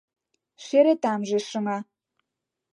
Шере тамже шыҥа.